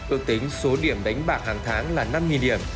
ước tính số điểm đánh bạc hàng tháng là năm điểm